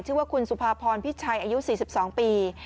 ชื่อว่าคุณสุภาพรพิชัยอายุ๔๒ปี